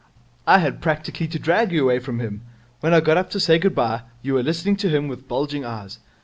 I had practically to drag you away from him. When I got up to say good bye, you were listening to him with bulging eyes.